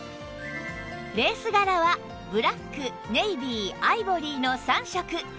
レース柄はブラックネイビーアイボリーの３色